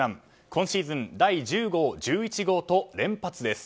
今シーズン第１０号、１１号と連発です。